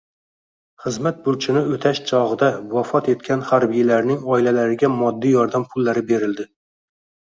Xizmat burchini o‘tash chog‘ida vafot etgan harbiylarning oilalariga moddiy yordam pullari berildi